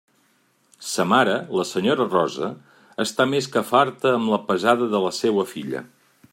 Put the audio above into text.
Sa mare, la senyora Rosa, està més que farta amb la pesada de la seua filla.